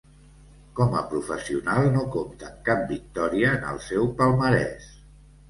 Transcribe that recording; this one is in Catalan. Com a professional no compta amb cap victòria en el seu palmarès.